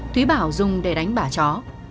thúy bảo dùng để đánh bả chó